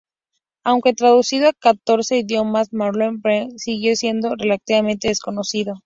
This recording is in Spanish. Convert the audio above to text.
Aunque traducido a catorce idiomas, Malek Haddad sigue siendo relativamente desconocido.